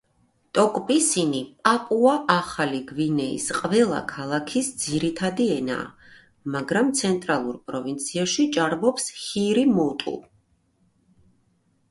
ტოკ-პისინი პაპუა-ახალი გვინეის ყველა ქალაქის ძირითადი ენაა, მაგრამ ცენტრალურ პროვინციაში ჭარბობს ჰირი-მოტუ.